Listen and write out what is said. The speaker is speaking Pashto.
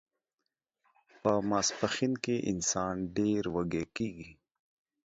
په ماسپښین کې انسان ډیر وږی کیږي